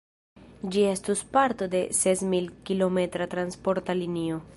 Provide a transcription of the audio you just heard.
Ĝi estus parto de sesmil-kilometra transporta linio.